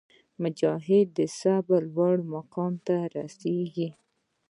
مجاهد د صبر لوړ مقام ته رسېږي.